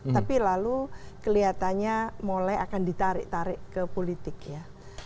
tapi lalu kelihatannya mulai akan ditarik tarik ke politik ya